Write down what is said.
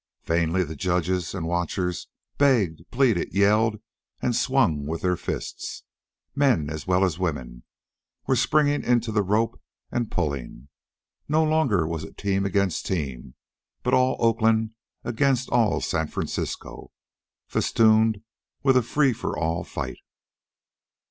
Vainly the judges and watchers begged, pleaded, yelled, and swung with their fists. Men, as well as women, were springing in to the rope and pulling. No longer was it team against team, but all Oakland against all San Francisco, festooned with a free for all fight.